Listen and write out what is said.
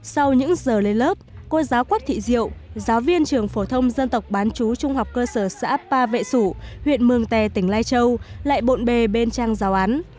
sau những giờ lên lớp cô giáo quách thị diệu giáo viên trường phổ thông dân tộc bán chú trung học cơ sở xã pa vệ sủ huyện mường tè tỉnh lai châu lại bộn bề bên trang giáo án